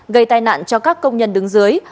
gây tai nạn cho các công nhân đứng dưới